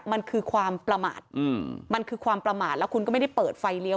มันคือความประมาทมันคือความประมาทแล้วคุณก็ไม่ได้เปิดไฟเลี้ยว